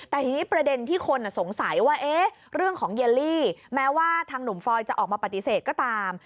แต่ทีนี้ประเด็นที่คนสงสัยว่าเรื่องของเยลลี่แม้ว่าทางหนุ่มฟอยจะออกมาปฏิเสธก็ตาม